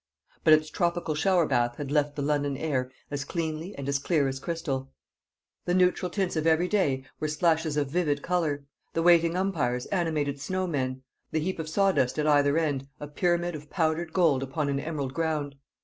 But its tropical shower bath had left the London air as cleanly and as clear as crystal; the neutral tints of every day were splashes of vivid colour, the waiting umpires animated snow men, the heap of sawdust at either end a pyramid of powdered gold upon an emerald ground.